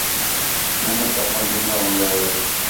محنت تا پھل مِٹّھا ہون٘دا ہے